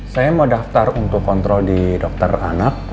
saya mau daftar untuk kontrol di dokter anak